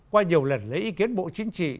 qua nhiều lần lấy ý kiến bộ chính trị